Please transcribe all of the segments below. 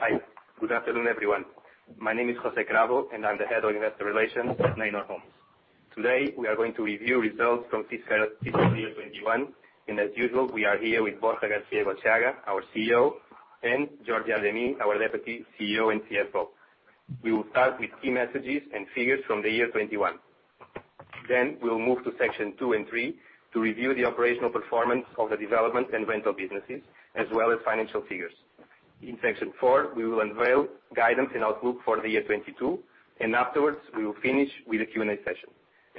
Hi, good afternoon, everyone. My name is José Cravo, and I'm the head of investor relations at Neinor Homes. Today, we are going to review results from fiscal year 2021, and as usual, we are here with Borja Garcia-Egotxeaga Vergara, our CEO, and Jordi Argemí, our deputy CEO and CFO. We will start with key messages and figures from the year 2021. Then we'll move to section two and three to review the operational performance of the development and rental businesses, as well as financial figures. In section four, we will unveil guidance and outlook for the year 2022, and afterwards, we will finish with a Q&A session.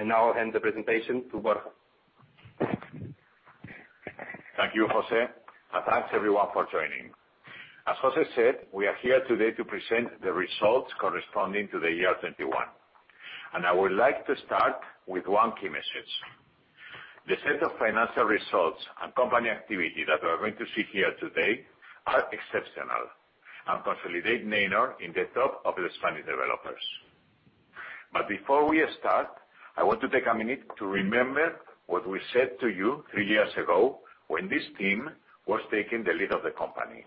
Now I'll hand the presentation to Borja. Thank you, José, and thanks everyone for joining. As José said, we are here today to present the results corresponding to the year 2021. I would like to start with one key message. The set of financial results and company activity that we are going to see here today are exceptional and consolidate Neinor in the top of the Spanish developers. Before we start, I want to take a minute to remember what we said to you three years ago when this team was taking the lead of the company.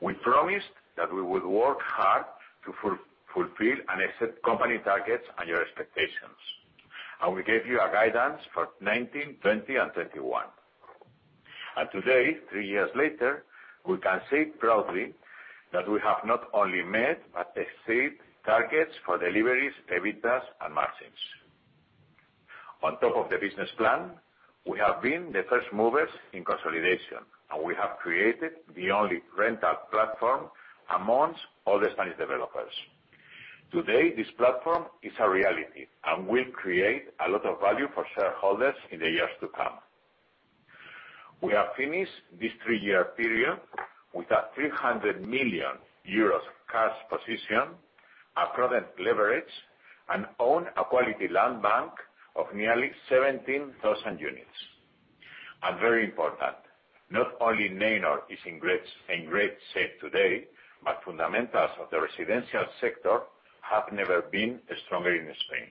We promised that we would work hard to fulfill and exceed company targets and your expectations, and we gave you a guidance for 2019, 2020, and 2021. Today, three years later, we can say proudly that we have not only met but exceeded targets for deliveries, EBITDAs, and margins. On top of the business plan, we have been the first movers in consolidation, and we have created the only rental platform among all the Spanish developers. Today, this platform is a reality and will create a lot of value for shareholders in the years to come. We have finished this three-year period with a 300 million euros cash position, a prudent leverage, and own a quality land bank of nearly 17,000 units. Very important, not only Neinor is in great shape today, but fundamentals of the residential sector have never been stronger in Spain.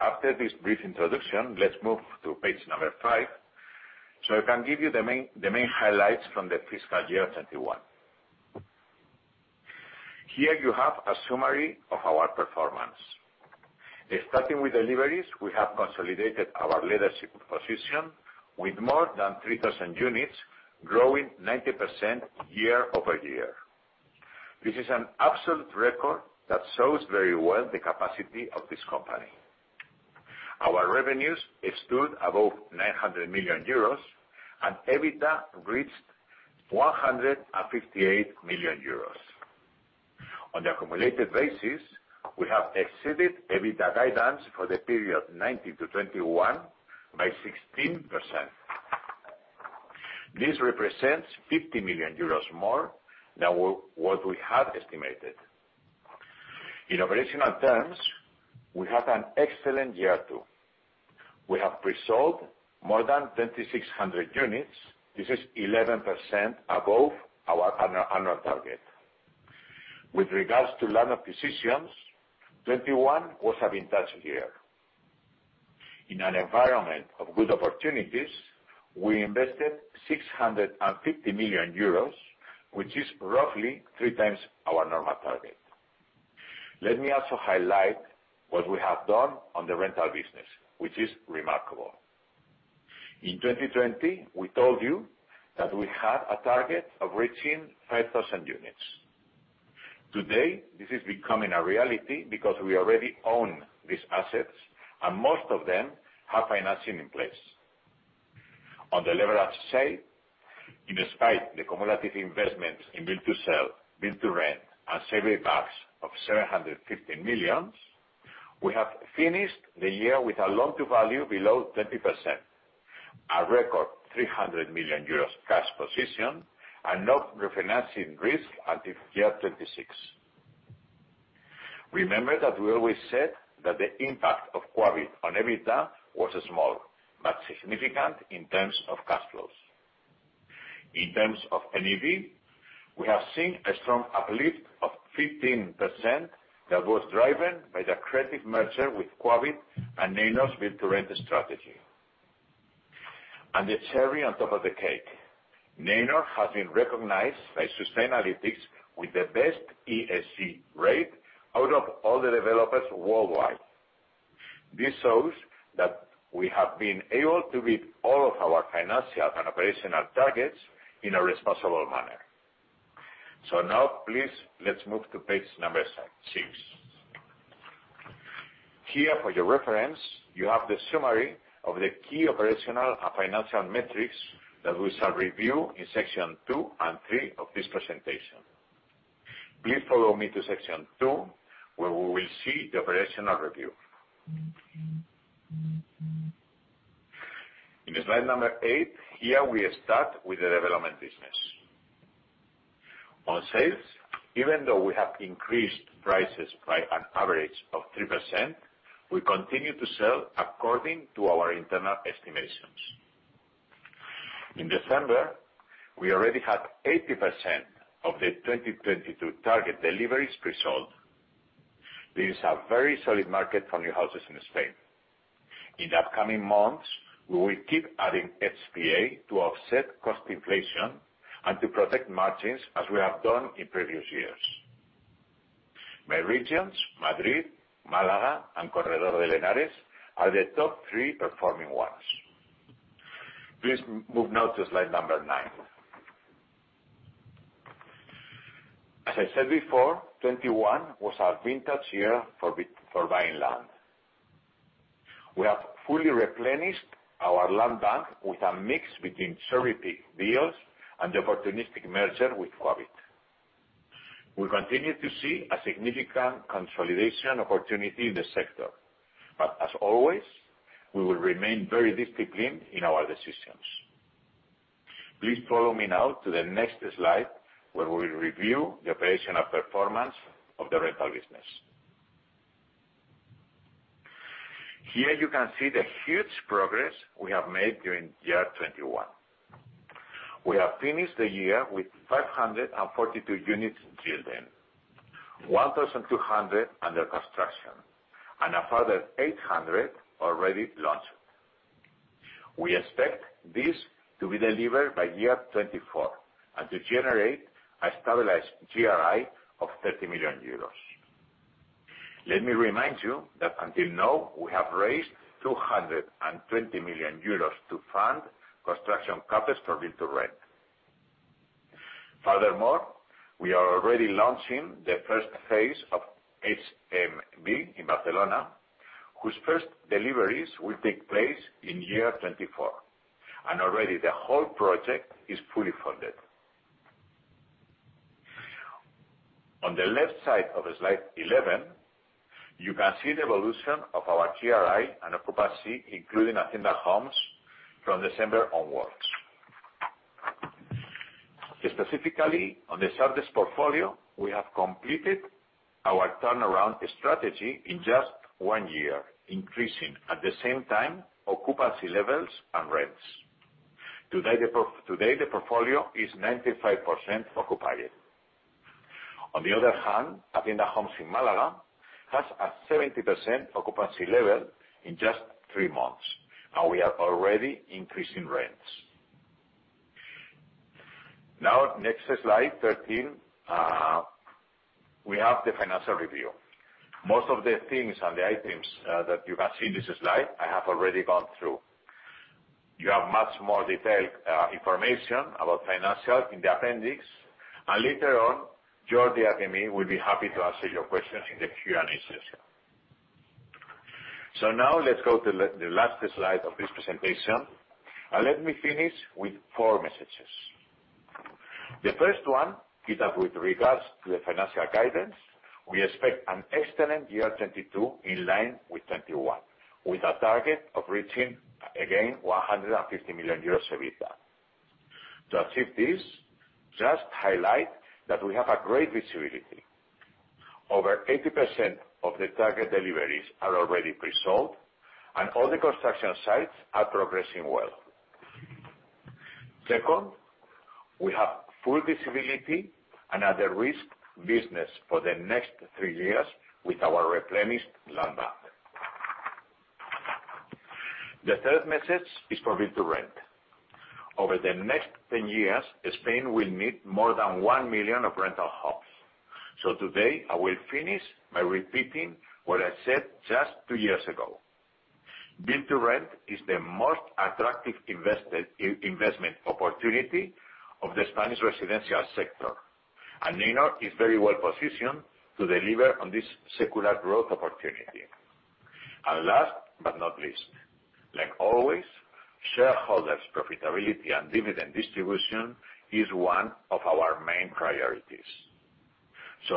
After this brief introduction, let's move to page five, so I can give you the main highlights from the fiscal year 2021. Here you have a summary of our performance. Starting with deliveries, we have consolidated our leadership position with more than 3,000 units, growing 90% year over year. This is an absolute record that shows very well the capacity of this company. Our revenues stood above 900 million euros and EBITDA reached 158 million euros. On the accumulated basis, we have exceeded EBITDA guidance for the period 2019-2021 by 16%. This represents 50 million euros more than what we had estimated. In operational terms, we had an excellent year, too. We have pre-sold more than 2,600 units. This is 11% above our annual target. With regards to land acquisitions, 2021 was a vintage year. In an environment of good opportunities, we invested 650 million euros, which is roughly three times our normal target. Let me also highlight what we have done on the rental business, which is remarkable. In 2020, we told you that we had a target of reaching 5,000 units. Today, this is becoming a reality because we already own these assets, and most of them have financing in place. On the leverage side, in spite of the cumulative investments in build-to-sell, build-to-rent, and Servicing/Parks of EUR 750 million, we have finished the year with a loan-to-value below 20%, a record 300 million euros cash position, and no refinancing risk until 2026. Remember that we always said that the impact of Quabit on EBITDA was small, but significant in terms of cash flows. In terms of NAV, we have seen a strong uplift of 15% that was driven by the accretive merger with Quabit and Neinor's build-to-rent strategy. The cherry on top of the cake, Neinor has been recognized by Sustainalytics with the best ESG rate out of all the developers worldwide. This shows that we have been able to meet all of our financial and operational targets in a responsible manner. Now, please, let's move to page number six. Here, for your reference, you have the summary of the key operational and financial metrics that we shall review in section two and three of this presentation. Please follow me to section two, where we will see the operational review. In slide number eight, here we start with the development business. On sales, even though we have increased prices by an average of 3%, we continue to sell according to our internal estimations. In December, we already had 80% of the 2022 target deliveries pre-sold. This is a very solid market for new houses in Spain. In the upcoming months, we will keep adding HPA to offset cost inflation and to protect margins as we have done in previous years. My regions, Madrid, Málaga, and Corredor del Henares are the top three performing ones. Please move now to slide number nine. As I said before, 2021 was our vintage year for buying land. We have fully replenished our land bank with a mix between strategic deals and the opportunistic merger with Quabit. We continue to see a significant consolidation opportunity in the sector, but as always, we will remain very disciplined in our decisions. Please follow me now to the next slide, where we review the operational performance of the rental business. Here you can see the huge progress we have made during 2021. We have finished the year with 542 units built, 1,200 under construction, and a further 800 already launched. We expect this to be delivered by 2024, and to generate a stabilized GRI of 30 million euros. Let me remind you that until now, we have raised 220 million euros to fund construction purpose for build-to-rent. Furthermore, we are already launching the first phase of HMB in Barcelona, whose first deliveries will take place in 2024. Already the whole project is fully funded. On the left side of slide 11, you can see the evolution of our GRI and occupancy, including AEDAS Homes from December onwards. Specifically, on the Sardes portfolio, we have completed our turnaround strategy in just one year, increasing at the same time occupancy levels and rents. Today, the portfolio is 95% occupied. On the other hand, AEDAS Homes in Málaga has a 70% occupancy level in just three months, and we are already increasing rents. Now, next slide, 13, we have the financial review. Most of the things and the items that you can see in this slide, I have already gone through. You have much more detailed information about financials in the appendix, and later on, Jordi and me will be happy to answer your questions in the Q&A session. Now let's go to the last slide of this presentation, and let me finish with four messages. The first one is that with regards to the financial guidance, we expect an excellent year 2022 in line with 2021, with a target of reaching again 150 million euros EBITDA. To achieve this, just highlight that we have a great visibility. Over 80% of the target deliveries are already presold, and all the construction sites are progressing well. Second, we have full visibility and low-risk business for the next three years with our replenished land bank. The third message is for build-to-rent. Over the next 10 years, Spain will need more than 1 million rental homes. Today I will finish by repeating what I said just two years ago. Build-to-rent is the most attractive investment opportunity of the Spanish residential sector, and Neinor is very well positioned to deliver on this secular growth opportunity. Last but not least, like always, shareholders profitability and dividend distribution is one of our main priorities.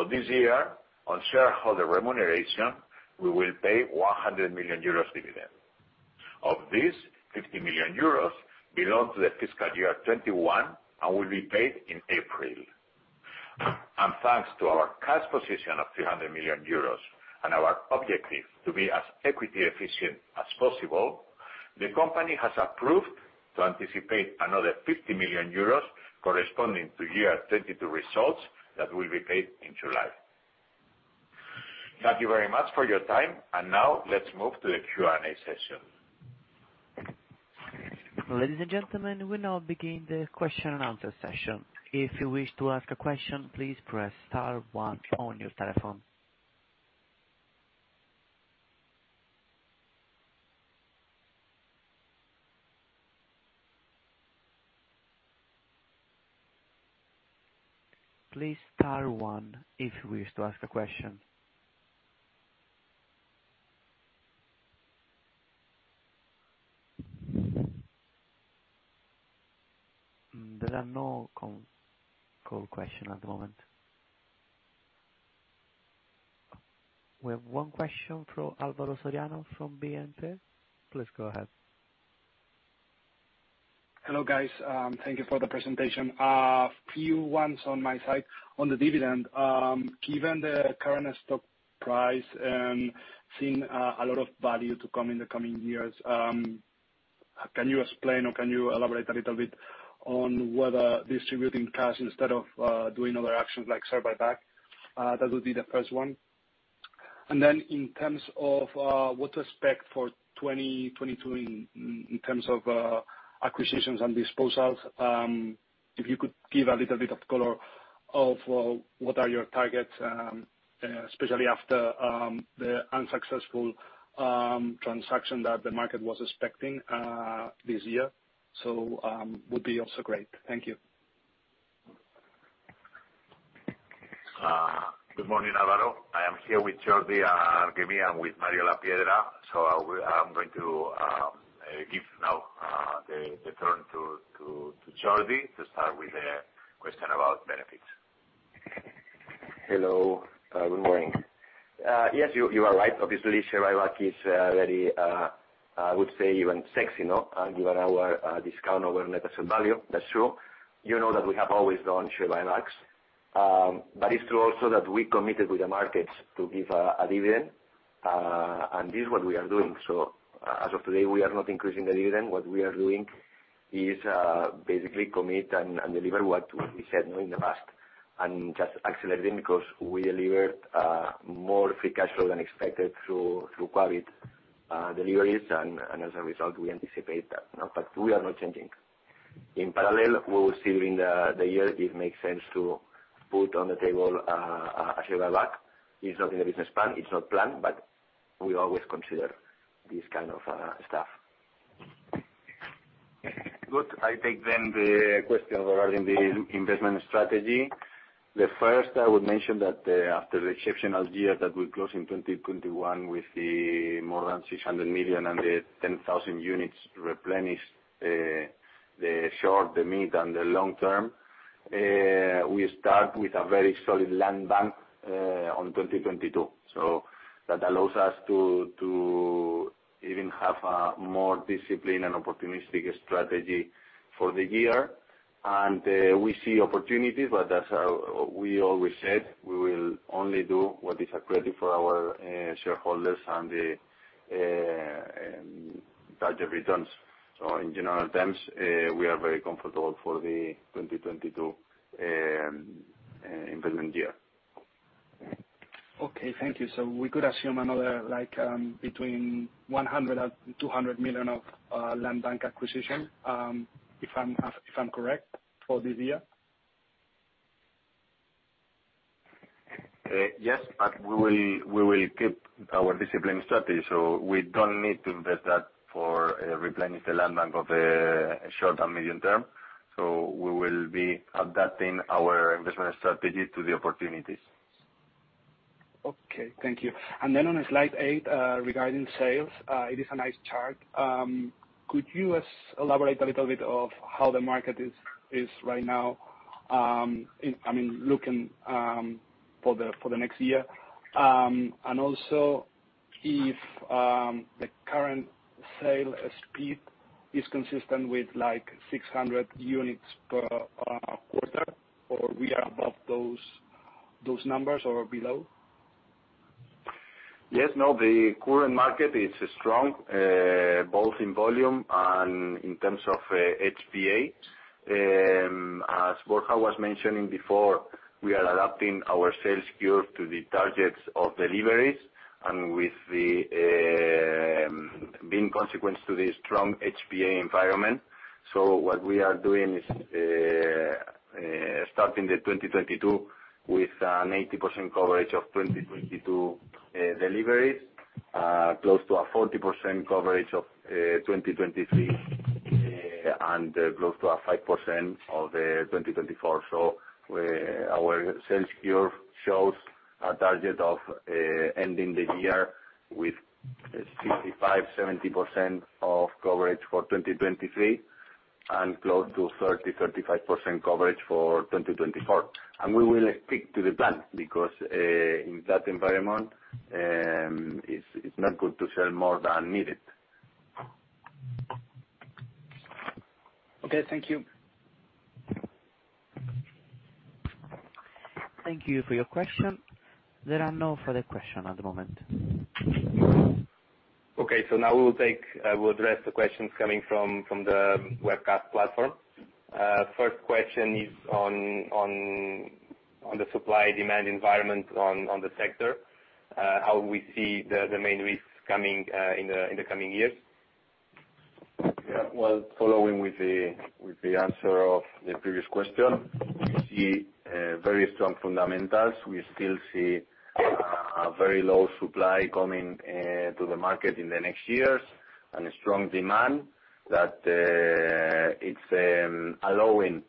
This year, on shareholder remuneration, we will pay 100 million euros dividend. Of this, 50 million euros belong to the fiscal year 2021 and will be paid in April. Thanks to our cash position of 300 million euros and our objective to be as equity efficient as possible, the company has approved to anticipate another 50 million euros corresponding to year 2022 results that will be paid in July. Thank you very much for your time, and now let's move to the Q&A session. Ladies and gentlemen, we now begin the question and answer session. If you wish to ask a question, please press star one on your telephone. Please star one if you wish to ask a question. There are no conference call questions at the moment. We have one question from Álvaro Soriano from BNP. Please go ahead. Hello, guys. Thank you for the presentation. A few questions on my side. On the dividend, given the current stock price and seeing a lot of value to come in the coming years, can you explain or can you elaborate a little bit on whether distributing cash instead of doing other actions like share buyback? That would be the first one. In terms of what to expect for 2022 in terms of acquisitions and disposals, if you could give a little bit of color on what are your targets, especially after the unsuccessful transaction that the market was expecting this year. It would also be great. Thank you. Good morning, Álvaro. I am here with Jordi Argemí and with Mario Lapiedra. I'm going to give now the turn to Jordi to start with the question about benefits. Hello, good morning. Yes, you are right. Obviously, share buyback is very, I would say even sexy now, given our discount over net asset value. That's true. You know that we have always done share buybacks. It's true also that we committed with the markets to give a dividend, and this is what we are doing. As of today, we are not increasing the dividend. What we are doing is basically commit and deliver what we said now in the past, and just accelerating because we delivered more free cash flow than expected through COVID deliveries. As a result, we anticipate that. We are not changing. In parallel, we will see during the year if it makes sense to put on the table a share buyback. It's not in the business plan. It's not planned, but we always consider this kind of stuff. Good. I take then the question regarding the investment strategy. First, I would mention that, after the exceptional year that we closed in 2021 with more than 600 million and the 10,000 units replenished, the short, mid, and long term, we start with a very solid land bank, in 2022. That allows us to even have a more disciplined and opportunistic strategy for the year. We see opportunities, but as we always said, we will only do what is accretive for our shareholders and the target returns. In general terms, we are very comfortable for the 2022 investment year. Okay, thank you. We could assume another like between 100 million and 200 million of land bank acquisition, if I'm correct, for this year? Yes, we will keep our disciplined strategy. We don't need to replenish the land bank in the short and medium term. We will be adapting our investment strategy to the opportunities. Okay, thank you. On slide eight, regarding sales, it is a nice chart. Could you elaborate a little bit on how the market is right now, I mean, looking for the next year? And also if the current sale speed is consistent with like 600 units per quarter, or we are above those numbers or below? Yes, no, the current market is strong both in volume and in terms of HPA. As Borja was mentioning before, we are adapting our sales curve to the targets of deliveries and with it being a consequence of the strong HPA environment. What we are doing is starting 2022 with an 80% coverage of 2022 deliveries, close to a 40% coverage of 2023, and close to a 5% of 2024. Our sales curve shows a target of ending the year with 65%-70% coverage for 2023 and close to 30%-35% coverage for 2024. We will stick to the plan because in that environment, it's not good to sell more than needed. Okay, thank you. Thank you for your question. There are no further question at the moment. Okay. We'll address the questions coming from the webcast platform. First question is on the supply-demand environment on the sector, how we see the main risks coming in the coming years. Yeah. Well, following with the answer of the previous question, we see very strong fundamentals. We still see very low supply coming to the market in the next years and a strong demand that it's allowing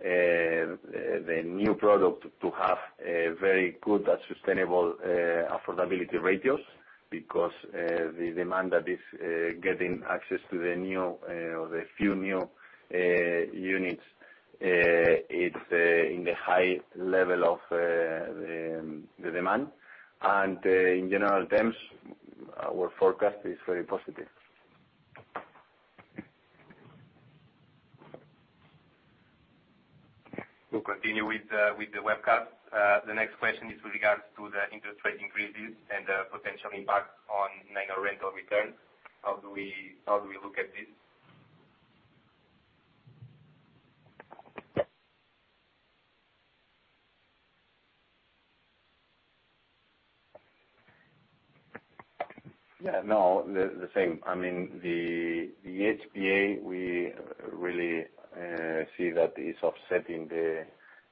the new product to have a very good and sustainable affordability ratios because the demand that is getting access to the new or the few new units it's in the high level of the demand. In general terms, our forecast is very positive. We'll continue with the webcast. The next question is with regards to the interest rate increases and the potential impact on negative rental returns. How do we look at this? Yeah, no, the same. I mean, the HPA, we really see that is offsetting the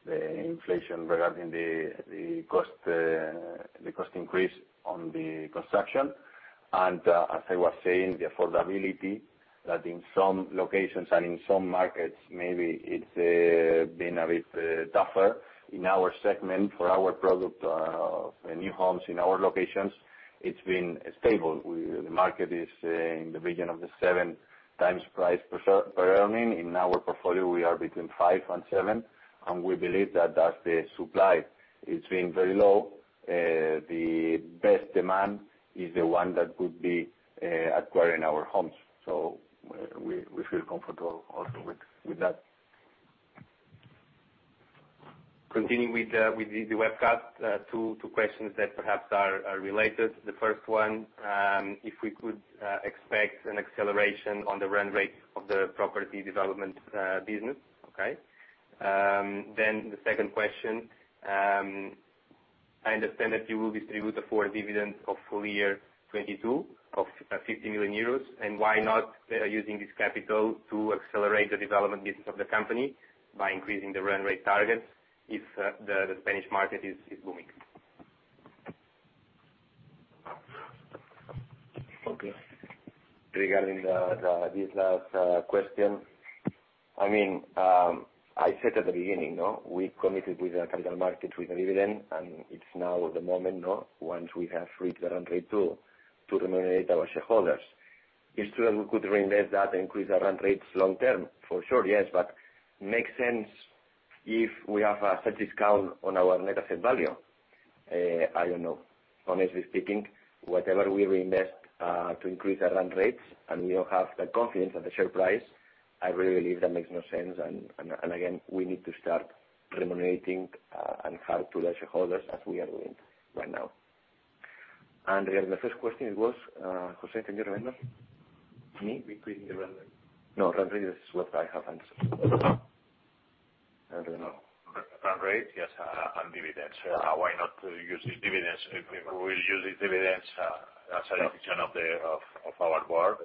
inflation regarding the cost increase on the construction. As I was saying, the affordability that in some locations and in some markets, maybe it's been a bit tougher. In our segment for our product, new homes in our locations, it's been stable. The market is in the region of the seven times price per earning. In our portfolio, we are between five and seven, and we believe that as the supply is being very low, the best demand is the one that could be acquiring our homes. We feel comfortable also with that. Continuing with the webcast, two questions that perhaps are related. The first one, if we could expect an acceleration on the run rate of the property development business. Okay. The second question, I understand that you will distribute the full dividend of full year 2022 of 50 million euros and why not using this capital to accelerate the development business of the company by increasing the run rate targets if the Spanish market is booming. Okay. Regarding this last question, I mean, I said at the beginning, we committed with the capital markets with the dividend, and it's now the moment, once we have reached the run rate too, to remunerate our shareholders. It's true that we could reinvest that and increase our run rates long-term, for sure, yes, but makes sense if we have such a discount on our net asset value. I don't know. Honestly speaking, whatever we reinvest to increase our run rates, and we don't have the confidence at the share price, I really believe that makes no sense. Again, we need to start remunerating and hand to the shareholders as we are doing right now. The first question was, José, can you remind me? Me? Between the run rate. No, run rate is what I have answered. I don't know. Run rate, yes, and dividends. Why not use the dividends if we'll use the dividends as a decision of our board?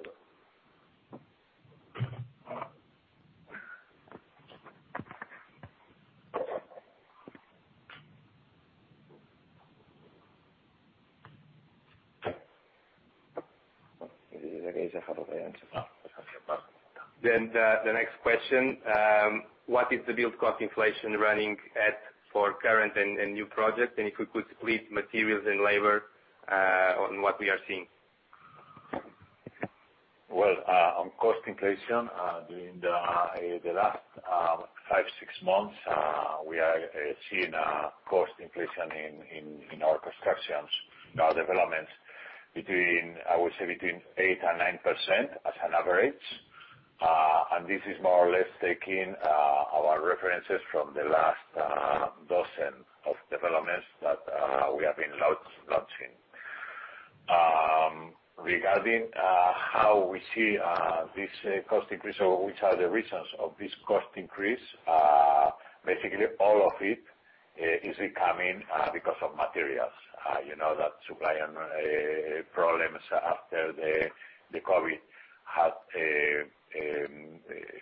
I guess I have already answered that. The next question, what is the build cost inflation running at for current and new projects? If you could split materials and labor on what we are seeing. Well, on cost inflation, during the last five, six months, we are seeing a cost inflation in our constructions, our developments between 8%-9% as an average. This is more or less taking our references from the last dozen developments that we have been launching. Regarding how we see this cost increase or which are the reasons of this cost increase, basically all of it is coming because of materials. You know, that supply and problems after the COVID had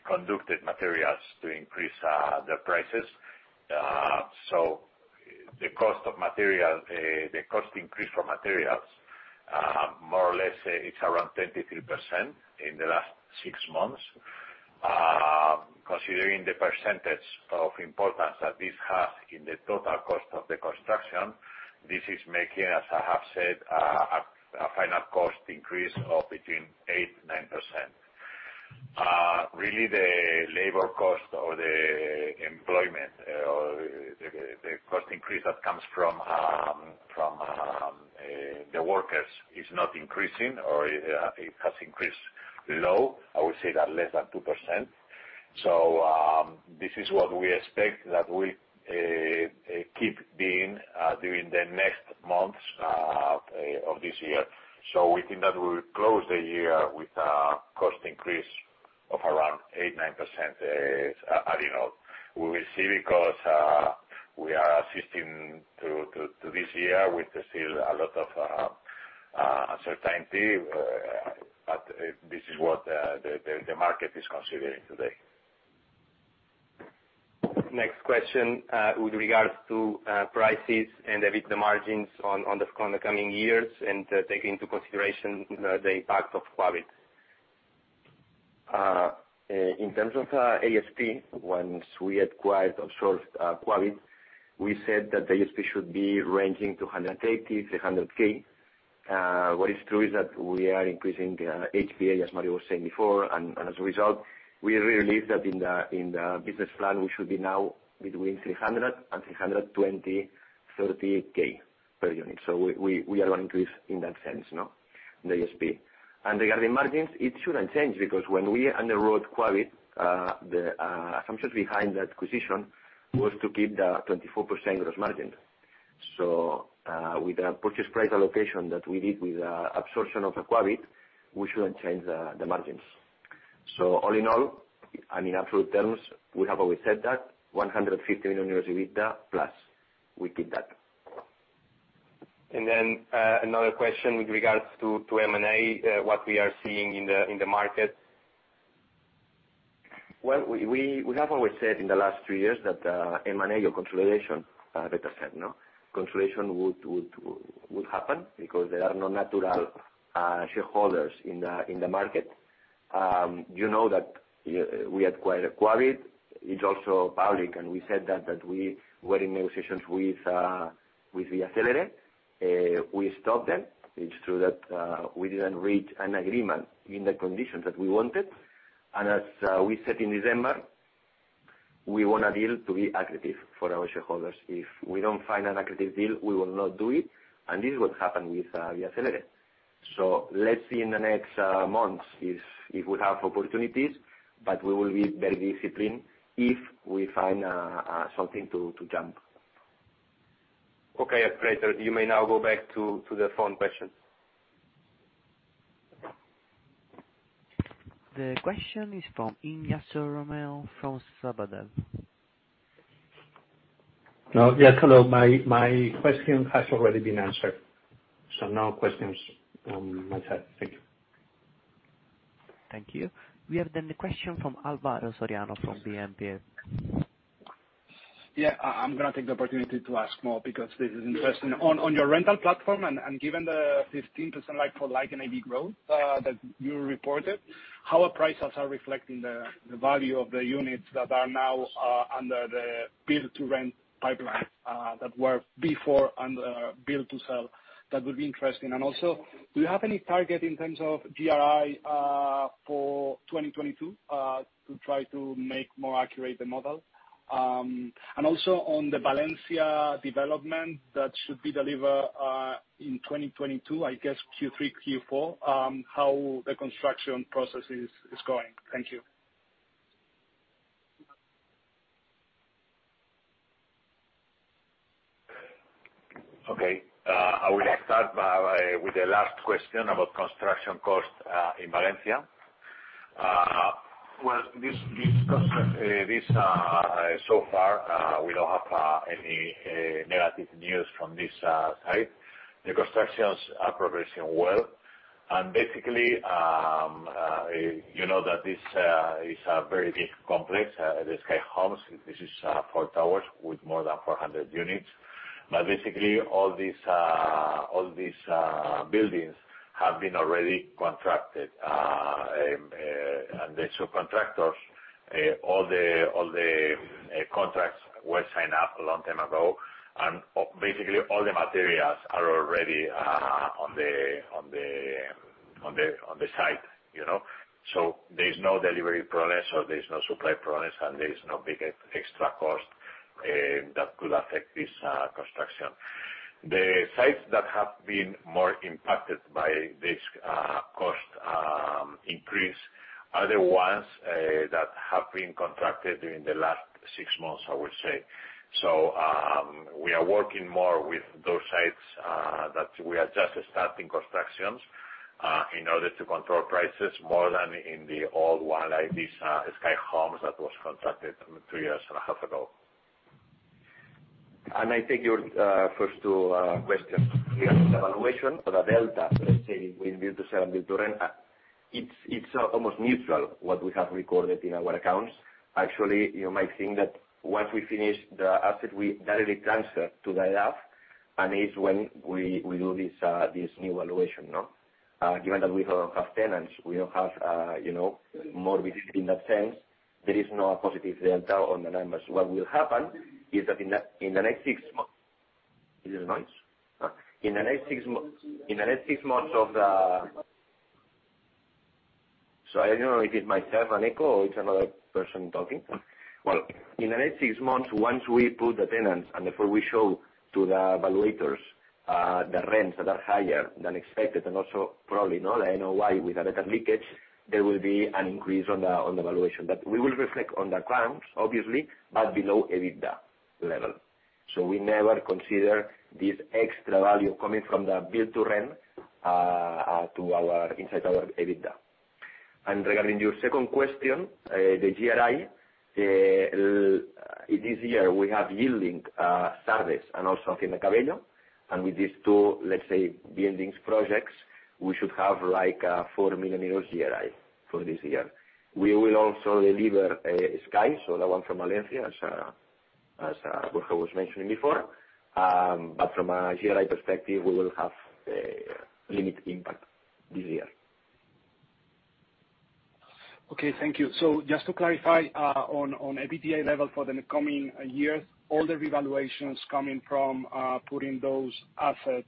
conducted materials to increase the prices. So the cost of material, the cost increase for materials, more or less it's around 23% in the last six months. Considering the percentage of importance that this has in the total cost of the construction, this is making, as I have said, a final cost increase of between 8% and 9%. Really the labor cost or the employment, or the cost increase that comes from the workers is not increasing or it has increased low. I would say that less than 2%. This is what we expect that we keep being during the next months of this year. We think that we'll close the year with a cost increase of around 8%-9%. As you know, we will see because we are assisting through to this year with still a lot of uncertainty, but this is what the market is considering today. Next question, with regard to prices and the EBITDA margins on the coming years and take into consideration the impact of Quabit. In terms of ASP, once we acquired or sourced Quabit, we said that the ASP should be ranging from EUR 180,000 to 300,000. What is true is that we are increasing HPA, as Mario was saying before. As a result, we believe that in the business plan, we should be now between 300,000 and 320,000-330,000 per unit. We are going to increase in that sense, you know, the ASP. Regarding margins, it shouldn't change because when we underwrote Quabit, the assumptions behind that acquisition was to keep the 24% gross margin. With the purchase price allocation that we did with the absorption of Quabit, we shouldn't change the margins. All in all, and in absolute terms, we have always said that 150 million euros EBITDA plus, we keep that. Another question with regards to M&A, what we are seeing in the market. Well, we have always said in the last three years that M&A or consolidation, better said, you know, consolidation would happen because there are no natural shareholders in the market. You know, that we acquired Quabit. It's also public, and we said that we were in negotiations with Vía Célere, we stopped them. It's true that we didn't reach an agreement in the conditions that we wanted. As we said in December, we want a deal to be accretive for our shareholders. If we don't find an accretive deal, we will not do it. This is what happened with Vía Célere. Let's see in the next months if we have opportunities, but we will be very disciplined if we find something to jump. Okay. Operator, you may now go back to the phone questions. The question is from Ignacio Romero from Sabadell. No. Yes, hello. My question has already been answered. No questions on my side. Thank you. We have a question from Alvaro Soriano from BNP. Yeah. I'm gonna take the opportunity to ask more because this is interesting. On your rental platform and given the 15% like-for-like net NAV growth that you reported, how the prices are reflecting the value of the units that are now under the build-to-rent pipeline that were before under build-to-sell? That would be interesting. Do you have any target in terms of GRI for 2022 to try to make more accurate the model? On the Valencia development that should be delivered in 2022, I guess Q3, Q4, how the construction process is going. Thank you. I will start by with the last question about construction costs in Valencia. Well, so far, we don't have any negative news from this site. The constructions are progressing well. Basically, you know that this is a very big complex, the Sky Homes. This is four towers with more than 400 units. Basically, all these buildings have been already contracted, and the subcontractors, all the contracts were signed up a long time ago. Basically, all the materials are already on the site, you know. There's no delivery problems or there's no supply problems, and there is no big extra cost that could affect this construction. The sites that have been more impacted by this cost increase are the ones that have been contracted during the last six months, I would say. We are working more with those sites that we are just starting constructions in order to control prices more than in the old one, like this Sky Homes that was contracted three years and a half ago. I take your first two questions. The valuation for the delta, let's say with build to sell and build to rent, it's almost neutral what we have recorded in our accounts. Actually, you might think that once we finish the asset, we directly transfer to the IRF, and it's when we do this new valuation, no? Given that we don't have tenants, you know, moratorium in that sense, there is no positive delta on the numbers. What will happen is that in the next six months, once we put the tenants and therefore we show to the evaluators the rents that are higher than expected and also the NOI with a better leverage, there will be an increase on the valuation. We will reflect on the accounts obviously, but below EBITDA level. We never consider this extra value coming from the build-to-rent into our EBITDA. Regarding your second question, the GRI in this year, we have yielding Sardes and also Hacienda Cabello. With these two, let's say, buildings projects, we should have like 4 million euros GRI for this year. We will also deliver Sky, so the one from Valencia, as Jordi was mentioning before. But from a GRI perspective, we will have a limited impact this year. Okay, thank you. Just to clarify, on EBITDA level for the coming year, all the revaluations coming from putting those assets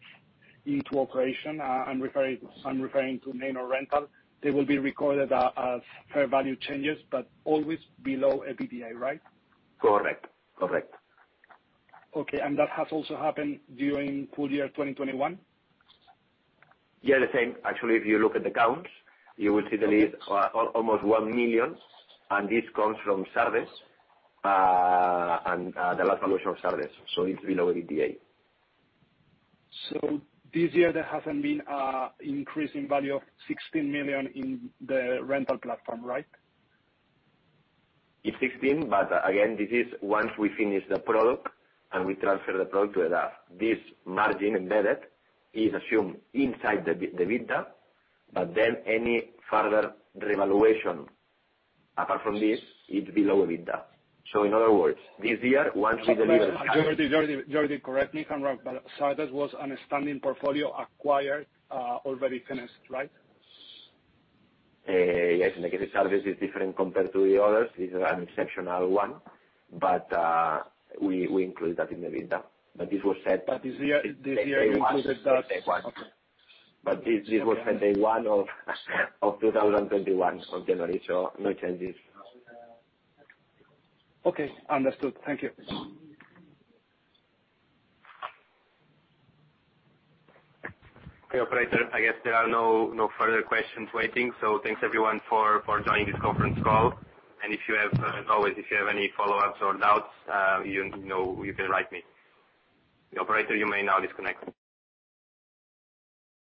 into operation, I'm referring to Neinor Rental, they will be recorded as fair value changes, but always below EBITDA, right? Correct. Okay. That has also happened during full year 2021? Yeah, the same. Actually, if you look at the accounts, you will see the land almost 1 million, and this comes from Sardes and the last valuation of Sardes, so it's below EBITDA. This year there hasn't been an increase in value of 16 million in the rental platform, right? It's 16 million, but again, this is once we finish the product and we transfer the product to the RAF. This margin embedded is assumed inside the EBITDA, but then any further revaluation apart from this, it's below EBITDA. In other words, this year, once we deliver- Jordi correct me if I'm wrong, but Sardes was an outstanding portfolio acquired, already finished, right? Yes. I guess Sardes is different compared to the others. This is an exceptional one, but we include that in EBITDA. This was set- This year you included that. Day one. This was set day one of 2021, so January, so no changes. Okay. Understood. Thank you. Hey, operator, I guess there are no further questions waiting. Thanks everyone for joining this conference call. If you have, as always, if you have any follow-ups or doubts, you know, you can write me. Operator, you may now disconnect.